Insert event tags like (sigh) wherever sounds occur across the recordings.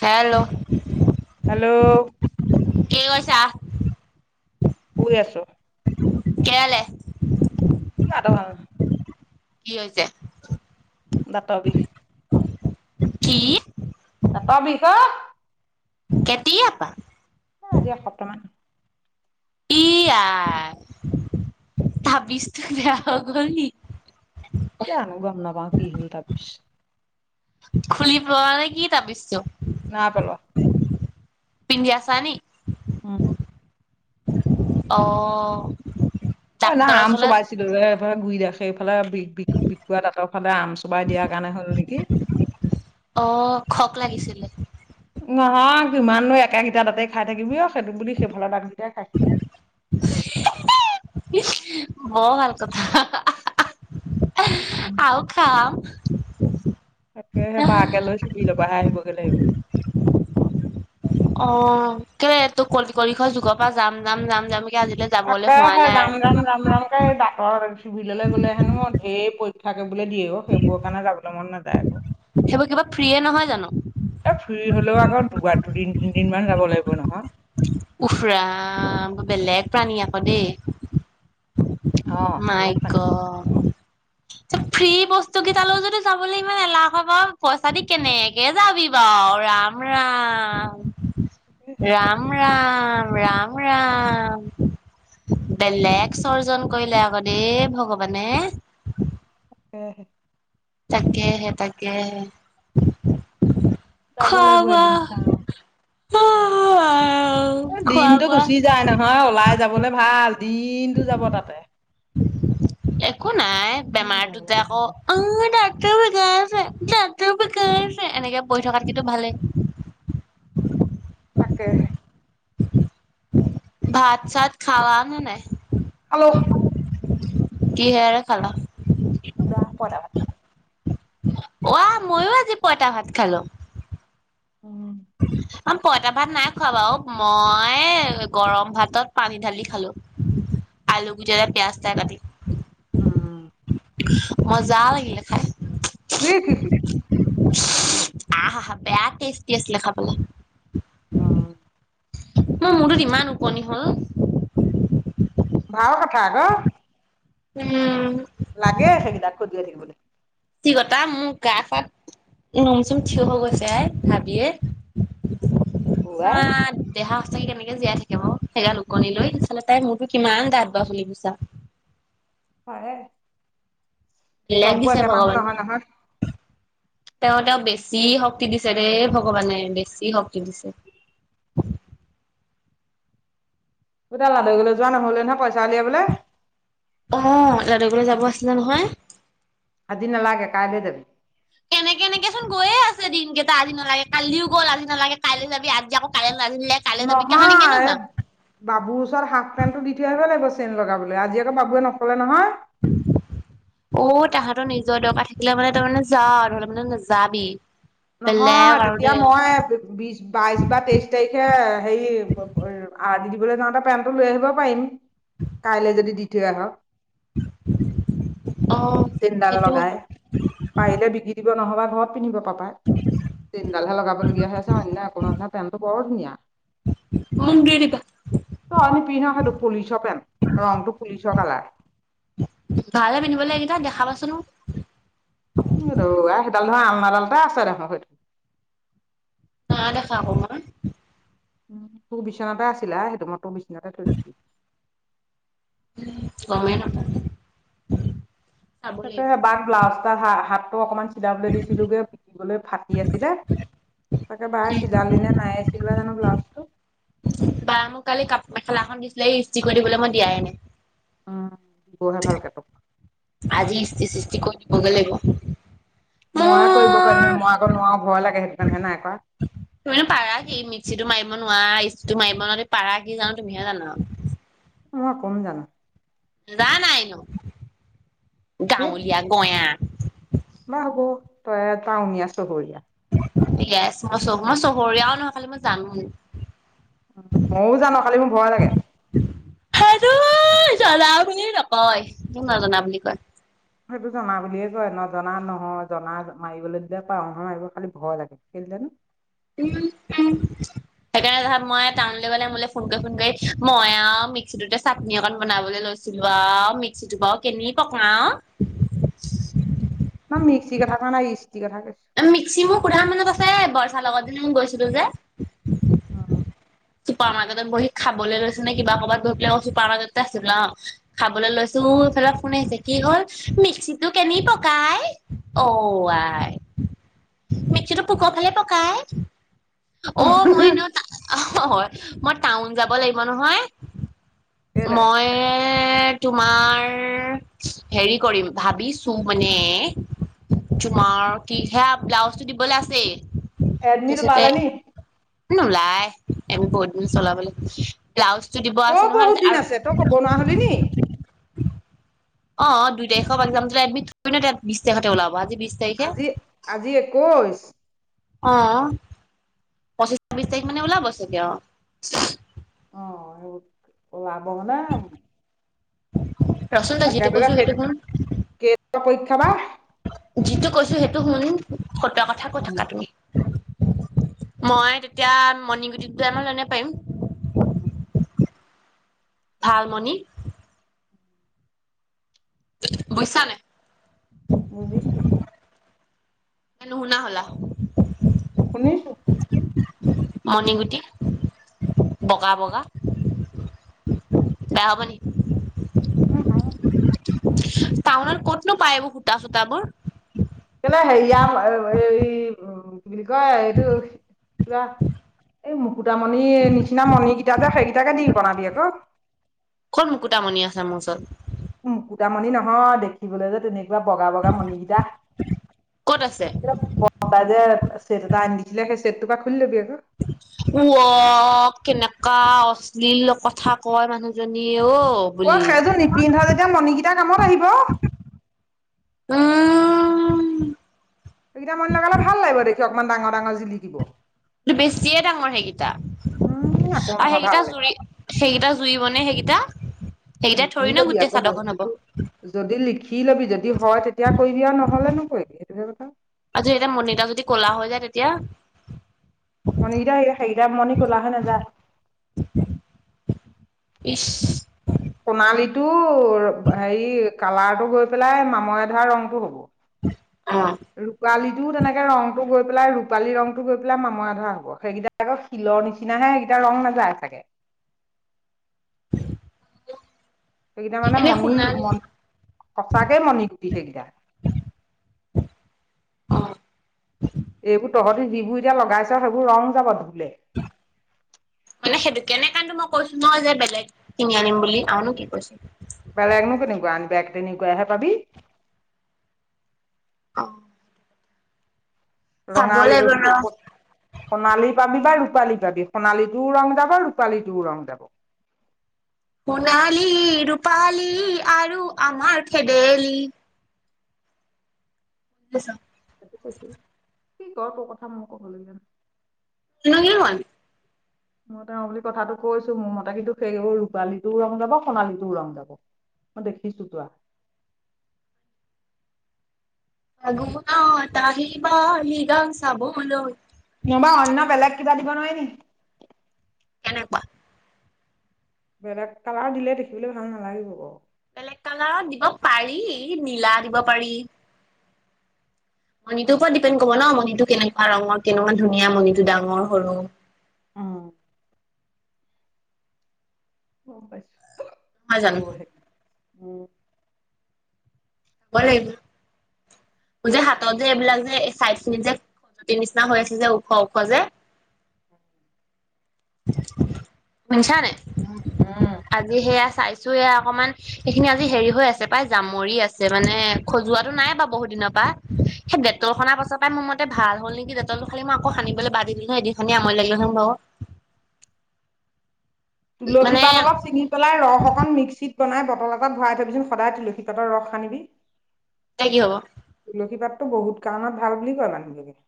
Hello hello কি কৰিছা শুই আছো কেলে গাটো ভাল নহয় কি হৈছে দাঁতৰ বিষ কি দাতৰ বিষ অ। কেতিয়াপা অ', আজি এসপ্তাহটামান ই আই তাবিজ্টো বেয়া হৈ গল নি জানো গম নাপাওঁ কি হল তাবিছ খুলি পৰে নে কি তাবিছটো না পেলোৱা পিন্ধি আছা নি উম, অ', না ডাক্তৰৰ আম ওচৰলে চোবাই এইফে গুৰি ৰাখে এইফালে বি বিষ বিষুৱা দাতৰ ফালে আম চোবাই দিয়াৰ কাৰণে হ'ল নিকি অ', খক লাগিছিলে নহয় কিমাননো একেগিটা দাতেই খাই থাকিবি অ সেইটো বুলি সেইফালৰ দাঁতগেটাই খাইছিলো (unintelligible) (unintelligible) বৰ ভাল কথা (unintelligible) (unintelligible) খা আম তাকেহে বা কে লৈ চিভিলৰ পাহে আহিবগে লাগিব অ', কেলে তোক কল কলিখ যুগৰ পা যাম যাম যাম যাম কে আজিলে তাকে হে যাম যাম যাম যাম কে এই দাতৰ চিভিললৈ গ'লে হেনো ধেৰ পই থাকে বোলে দিয়ে অ সেইবোৰৰ কাৰণে যাবলৈ মন নাযায় আকৌ সেইবোৰ কিবা ফ্ৰিয়ে নহয় জান নো এ ফ্ৰি হলেও আকৌ দুবাৰ দুদিন তিনদিন মান যাব লাগিব নহয় উফ ৰাম বেলেগ প্ৰাণী আকৌ দেই অ মাই বেলেগ পানী গত ত ফ্ৰী বস্তু গিটালৌও যদি যাবলৈ ইমান এলাহে কৰ পইচা দি কেনেকে যাবি বাও ৰাম ৰাম ৰাম ৰাম ৰাম ৰাম বেলেগ সৰ্জন কৰিলে আকদেই ভগৱানে উম তাকেহে তাকেহে যাব লাগিব খোৱা এদিন চাও বোৱা খোৱা দিনটো বোৱা গুচি যায় নহয় ওলাই যাবলৈ ভাল দিনটো যাব তাতে একো নাই উম যাবলে বেমাৰটোতে মন আকৌ নাযায় উম, তাকৰ বিকাই আছে ডাকৰ বিকাই আছে এনেকে বহি থকাত কি ভালে। তাকে হে। ভাত চাত খোৱা নে নাই? হেল্ল'? কি হেৰে খালা? (unintelligible) অ', মইও আজি পইতা ভাত খালো। উম, আ পইতা ভাত নাই খোৱা বাৰু মই গৰম ভাতত পানী ঢালি খালো। আলু গুতিয়ে পিয়াজ এটা কাটি। উম, মজা লাগিলে খাই। দেখিখি। আহা হা বেয়া তেষ্টি আছিলে খাবলে। অ' মই মূৰটোত ইমান ওকনি হ'ল। ভাল কথা আক। উম, লাগে সেইকেইটাক খুজিযাই থাকিবলৈ। চিকতা মোৰ গা চা নোম চুম থিয় হৈ গৈছে আই ভাবিয়ে। অ' উৱাই দেহা সঁচাক কেনেকে জীয়াই থাকিব সেইগাল ওকনি লৈ তাই মোৰতো কিমান দাঠ বাও চুলি কোচা পাৰে। বেলেগ দিছে মানুহ ভগৱান। নহয় নহয় তেওঁ তেওঁ বেছি শক্তি দিছে দেই ভগৱানে বেছি শক্তি দিছে। (inaudible) যোৱা নহ'লে নহয় পইচা উলিয়াবলৈ। অ', দাদু গলৈ যাব আছিলে নহয়। আজি নালাগে কাইলৈ যাবি। কেনেকে এনেকে চোন গৈয়ে আছে দিন কেইটা আজি নালাগে কালিও গ'ল আজি নালাগে কাইি যাবি আজি আকৌ কাইলৈ নাজিলে। কাইলৈ যাবি কাহানিকেনো নহয়। যাম বাবুৰ ওচৰত হাফ পেণ্টটো দি থৈ আহিব লাগিব চেইন লগাবলৈ আজি আকৌ বাবুৱে নকলে নহয়। (unintelligible) অ', তাহাঁতৰ নিজৰ দৰকাৰ থাকিলে মানে তাৰ মানে যা ধৰিলে মানে নাযাবি। বেলেগ নহয় আৰু তেতিয়া দেই মই বিজ বাইশ বা তেইশ তাৰিখে হেৰি আৰ্ট শিকিবলৈ যাওঁতে পেণ্টটো লৈ আহিব পাৰিম। কাইলে যদি দি থৈ আহ অ চেইনডাল সেইটো লগাই। পাৰিলে বিকি দিব নহবা ঘৰত পিন্ধিব পাপাই। চেইনডালহে লগাবলগীয়া হৈ হৈছে অন্য একোধনা পেটটো বৰ ধুনীয়া। মোক দি দিবা তই নিপিন্ধ সেইটো পুলিচ পেণ্ট ৰংটো পুলিচ কালাৰ। ভালে পিন্ধিব এই কেইটা দেখাবা চোন মোক। উম, ৰৌ সেইডাল ধৰৰা আলমাডালতে আছে দেখোন সেইটো। নাই দেখা আকো মই। উম, তোৰ বিচনাতে আছিলা আই সেইটো মই তোৰ বিচনাতে থৈ দিছিলো। গমে নাপও। তাকে বাক ব্লাজ এটা হা হাতটো অকমান চিলাবলৈ দিছিলোগে (unintelligible) ফাটি আছিলে। তাকে বাহ উম চিলালি নে নাইয়ে চিলিৱা জানো ব্লাউজটো। বা মোক কালি কাপোৰ মেখেলা এখন দিছিলে এই ইস্ত্ৰিৰ কৰি দিবলে মই দিয়াই নাই। উম, দিবহে ভালকে (unintelligible) আজি ইস্ত্ৰি সিস্তি কৰি দিবগে লাগিব। মই কৰিব পাৰো মোৰ নহয় মই আকৌ নোৱাৰো ভয় লাগে সেইটো কাৰনে হে নাই কৰা তুমিনো পাৰা কি মিক্সিটো মাৰিব নোৱাৰা ইষ্ট্ৰিটো মাৰিব নোৱাৰা পাৰা কি জানো তুমিহে জানা আৰু মই কম জানো জা নাই নো কি গাঁৱলীয়া গঞা বা হ'ব তইয়ে তউনীয়া চহৰীয়া ইয়েচ মই চহ মই চহৰীয়াও নহয় খালি মই জানো ময়ো জানো খালি মোৰ ভয় লাগে সেইটো জনা বুলি নকয় সেইটো নজনা বুলি কয় সেইটো জনা বুলিয়ে কয় নজনা নহয় জনা মাৰিবলৈ দিলে পাৰো নহয় মাৰিব খালি ভয় লাগে কেলে জানো উম উম সেইকাৰণে ধৰক মই টাউনলে গলে মোলে ফোন কৰি ফোন কৰি মই আও মিক্সিটোতে চাটনি অকন বনাবলে লৈছ ছিলো আও মিক্সিটো বাৰু কেনি পকাও মই মিক্সিৰ কথা কোৱা নাই ইষ্টিৰ কথা কৈছো মিক্সি মোৰ সোধা মানত আছে বৰচাৰ লগত যেনে মই গৈছিলো যে অ চুপাৰ মাৰ্কেটত বহি খাবলে লৈছে নে কিবা ক'ৰবাত গৈ পেলাই আকৌ চুপাৰ মাৰ্কেততে আছিল বোলে ন খাবলে লৈছো এইফালে ফোন আহিছে কি হ'ল মিক্সিত তো কেনি পকাই ঔ আই মিক্সিটো পোকৰ ফালে পকাই অ মই ন অ হয় মই টাউন যাব লাগিব নহয় কেলে মই তোমাৰ হেৰি কৰিম ভাবিছো মানে তোমাৰ কি হে ব্লাউজটো দিবলে আছেই এডমিট তাৰপিছতে ওলালে নি নোলাই এম বহুত দিন চলাবলে ব্লাউজটো দিব আছে নহয় তাৰপাছতে আৰু তোমাৰ হ'লে নি অ দুই তাৰিখৰ পৰা একজাম আছিলে এডমিট থৰি না বিশ তাৰিখতে ওলাব আজি বিশ তাৰিখে আজি আজি একৈশ অ পঁচিশ ছাব্বিশ তাৰিখ মানে ওলাব চাগে অ অ সেইবোৰ ওলাব মানে ৰহ চোন তই যিতো একেবাৰে কৈছো সেই- সেইটো শুন (unintelligible) পৰীক্ষা বা যিটো কৈছো সেইটো শুন ফোতোৱা কথা কৈ থাকা তুমি মই তেতিয়া মৰ্ণিং গুটি টো টাইমত লৈ আনিব পাৰিম ভাল মণি বুইছা নে বুজিছো এ নুশুনা হলা শুনিছো মণিগুটি বগা বগা বেয়া হ'ব নেকি? (inaudible) টাউনত ক'তনো পায় এইবোৰ সূতা-চূতাবোৰ? কেলে হেৰিয়া এই উম কি বুলি কয় এইটো কিবা এই মুকুতামণিৰ নিচিনা মণি কেইটা যে সেইকেইটাকে দি বনাবি আকৌ। ক'ত মুকুটামণি আছে মোৰ ওচৰত? মুকুতামণি নহয় দেখিবলৈ যে তেনে কিবা বগা বগা মণিকেইটা, ক'ত আছে কিবা ব (unintelligible) যে ছেট এটা আনি দিছিলে সেই ছেট টোৰ পলা খুলি ল'বি আকৌ। (inaudible) উও কেনেকুৱা অশ্লীল কথা কয় মানুহজনীয়ে অ। অ বুলি সেইযোৰ নিপিন্ধা যেতিয়া মণিকিতা কামত আহিব। উম সেইকেইটা মণি লগালে ভাল লাগিব দেখি অকমান ডাঙৰ ডাঙৰ জিলিকিব। বেছিয়ে ডাঙৰ সেইকেইটা, আৰু উম আকৌ নহয় ভাল সেইকেইটা জুৰি লাগিব সেইকেইটা জুৰিব নে সেইকেইটা, সেইকেইটাই লিখি থৰি না লবি গোটেই আকৌ চাদৰখন হ'ব। বস্তুটো যদি লিখি ল'বি, যদি হয় তেতিয়া কৰিবি আৰু নহ'লে নকৰিবি এইটোহে কথা। আৰু এতিয়া মণিতা যদি কলা হৈ যায় তেতিয়া? মণিকেইটা হেৰি সেইকেইটা মণি কলা হৈ নাযায়। ইছ। সোণালীটোৰ হেৰি কালাৰটো গৈ পেলাই মামৰে ধৰা ৰংটো হ'ব। অ'। ৰূপালীটো তেনেকে ৰং টো গৈ পেলাই ৰূপালী ৰংটো গৈ পেলাই মামৰা ধৰা হ'ব, সেইকেইটা আকৌ শিলৰ নিচিনা হে এইকেইটা ৰং নাযায় চাগে। সেইকেইটা মানে এনে মণি সোণালী ম সঁচাকে মণি গুতি সেইকেইটা। অ এইবোৰ তহতি যিবোৰ এতিয়া লগাইছো সেইবোৰ ৰং যাব ধুললে। (unintelligible) মানে সেইটো কেনে কাৰণো মই কৈছো ন যে বেলেগ কিনি আনিম বুলি আৰুনো কি কৈছিল। বেলেগনো কেনেকুৱ আন বেগ এনেকুৱাই হে পাবি। অ। চাব লাগিব ৰ (unintelligible) সোণালী পাবি বা ৰূপালী পাবি। সোণালীটোও ৰং যাব ৰূপালীটোও ৰং যাব। সোণালী ৰূপালী আৰু আমাৰ খেদেলি। (unintelligible) (unintelligible) (unintelligible) মই তেওঁ বুলি কথাটো কৈছো মোৰ মতে কিন্তু সেইবোৰ ৰূপালীটোও ৰং যাব, সোণালীটো ৰং যাব। মই দেখিছোতো আৰ। ফাগুনত আহিবা লিগাং চাবলৈ। নহ'বা অন্ন বেলেগ কিবা দিব নোৱাৰ নেকি? কেনেকুৱা? বেলেগ কালাৰ দিলে দেখিবলৈ ভাল নালাগিব বাৰু। বেলেগ কালাৰ দিব পাৰি নীলা দিব পাৰি। মণিটোৰ ওপৰত দিপেনড কৰিব ন মণিটো কেনেকুৱা ৰঙৰ কেনেকুৱা ধুনীয়া মণিটো ডাঙৰ সৰু। অ। গম পাইছোঁ। হয় জানো? (unintelligible) যে হাতত যে এইবিলাক যে চাইদ খিনিত যে তি নিচিনা হৈ আছে যে, ওখ ওখ যে। (inaudible) শুনিছা নাই? আজি সেয়া চাই চো এয়া অকমান। সেইখিনি আজি হেৰি হৈ আছে পায়। জামৰি আছে মানে খজোৱাটো নাই বাৱ বহুত দিন পা। সে উম দেতল খনা পাছ পাই মো ভাল হ'ল নেকি দেতলটো। খালি মই আকৌ সানিবলে বাদিদিলো (unintelligible) লাগিল (unintelligible) বাৱ। তুলসী মানে পাত অলপ চিঙি উতলাই ৰস অকণ মিক্সিত বনাই বটল এটাত ভৰাই থবিচোন সদায় তুলসী পাতৰ ৰস সানিবি। তে কি হ'ব? তুলসী পাততো বহুত কাৰণত ভাল বুলি কয় মানুহবোৰে।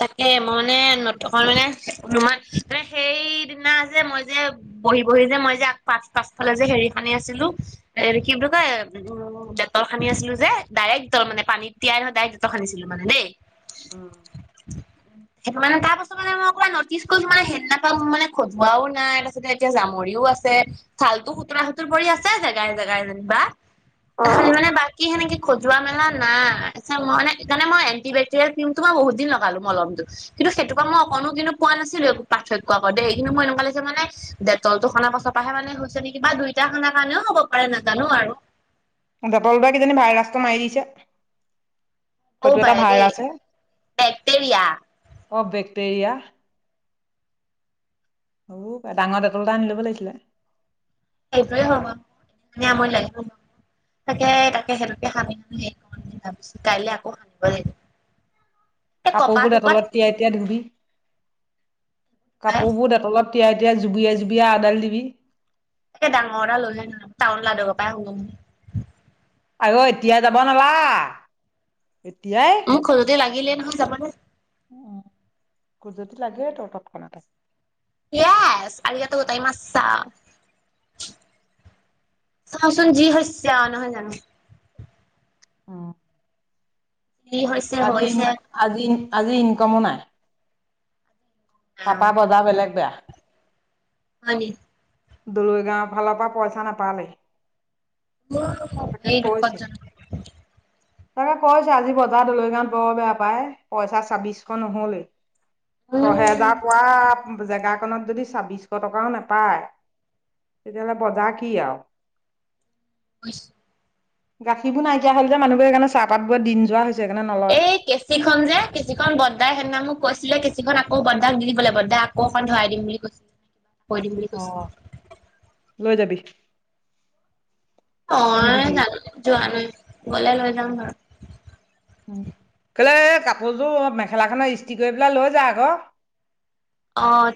তাকে মই মানে নথকা মানে (unintelligible) মানে সেইদিনা যে মই যে বহি বহি যে মই যে আগ পাচ পাচফালে যে হেৰি খানি আছিলো। এ টো কি বুলি কয়? উম দেতল হানি আছিলো যে, ডাইৰেক্ট দ মানে। পানীত তিয়াই নহয় ডাইক্ দেত হানিছিলো মানে দেই। উম। (inaudible) সেইটো মানে তাৰ পাছত মানে মই অকমান নটিচ কৈছো মানে সেদিনাপা মানে খজুৱাও নাই। তাছতে এতিয়া জামৰিও আছে। ছালতো সুতুৰা সুতুৰ পৰি আছে জেগাই জেগাই যেনিবা। খালি মানে বা কি সেনেকে খজোৱা মেলা নাই। চা মই মানে একানে মই এণ্টি বেটেৰিয়েল ক্ৰীম। টো মই বহুত দিন ল পালোঁ মলমটো। কিন্তু সেইটো পা মই অকনো কিন্তু পোৱা নাছিলো পাৰ্থক্য আগত দেই। কিন্তু মই এনেকুৱা লাগিছে মানে দেটলটো হনা পাছ পা হে মানে হৈছে নেকি বা দুইটা হানা কাৰণেও হ'ব পাৰে নাজানো আৰু। দেতল টোৱে কিজানি ভাইৰাছটো মাৰি দিছে। -বও হয়তো এটা পাই দে। ভাইৰাছে বেক্টেৰিয়া। অ বেক্টেৰিয়া। অ। ডাঙ ডেটল এটা আনি ল'ব লাগিছিলে। (unintelligible) তাকে তাকে হেতুকে সানি (unintelligible) কাইলে আকৌ সানিবই লাগিব। (inaudible) কাপোৰবো টুকুৰাত দেটলত তিয়াই তিয়াই ধুবি? কাপোৰ বোৰ দেটলত তিয়াই তিয়াই জুবিয়াই জুবিয়া আডাল দিবি। (unintelligible) আয়ৈ এতিয়া যাব নালা। এতিয়াই খজুতি লাগিলে নহয় যাবলে। উম। খজুতি লাগে ত' তৎক্ষণাতে। য়েচ, আৰু ইয়াতো টাইম আছা। চাওচোন যি হৈছে। অ, নহয় জানো। অ। যি হৈছে আজি ইন হৈছে আজি আজি ইনকমো নাই। আও পাপা বজা বেলেগ বেয়া। হয় নি? দলৈ গাঁও ফাল পা পইচা নাপালেই। তাকে এই দুখত কৈছে। (inaudible) তাকে কৈছে আজি বজাৰত লৈ যাম। ব বেয়া পায়। পইচা ছাব্বিশ নহ'লে। উম ছহেজাৰ পোৱা জেগাকনত যদি ছাব্বিশ শ টকাও নাপায় তেতিয়াহ'লে বজাৰ কি আৰু? (inaudible) গাখীৰবোৰ নাইকিয়া হ'ল যে মানুহবোৰ সেইকাৰণে চাহপাত বোৰ দিন যোৱা হৈছে সেইকাৰণে নলয়। কেচিখন যে কেচিখন বৰ্তাই সেইদিনা মোক কৈছিলে কেচিখন আকৌ বৰ্তাক দি দিবলে বৰ্তাই আকৌ এখন ধৰাই দিম বুলি কৈ কৰি দিম বুলি কৈছে। লৈ যাবি। অ দি দিবিগে। জানো যোৱা নাই গলে লৈ যাম বাৰু। কেলে এই কাপোৰযোৰ মেখেলা খনৰ ইস্ত্ৰি কৰি পেলাই লৈ যা আক। অঁ।